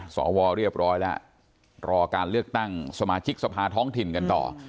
สวเรียบร้อยแล้วรอการเลือกตั้งสมาชิกสภาท้องถิ่นกันต่อ